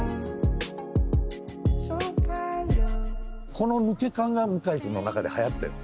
この抜け感が向井君の中ではやってるの？